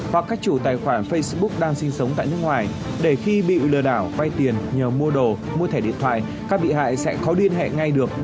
hoặc các chủ tài khoản facebook đang sinh sống tại nước ngoài để khi bị lừa đảo vay tiền nhờ mua đồ mua thẻ điện thoại các bị hại sẽ có liên hệ ngay được